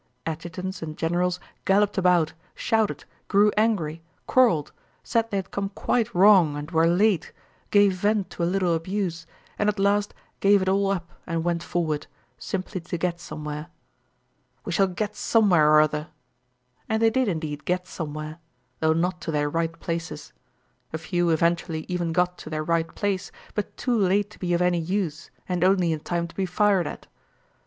Adjutants and generals galloped about, shouted, grew angry, quarreled, said they had come quite wrong and were late, gave vent to a little abuse, and at last gave it all up and went forward, simply to get somewhere. "We shall get somewhere or other!" And they did indeed get somewhere, though not to their right places; a few eventually even got to their right place, but too late to be of any use and only in time to be fired at.